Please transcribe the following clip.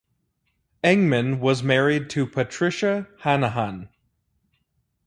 Engman was married to Patricia Hanahan.